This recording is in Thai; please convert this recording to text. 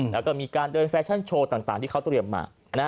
แล้วก็มีการเดินแฟชั่นโชว์ต่างที่เขาเตรียมมา